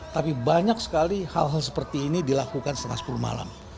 tapi banyak sekali hal hal seperti ini dilakukan setengah sepuluh malam